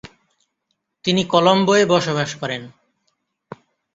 তিনি কলম্বোয় বসবাস করেন।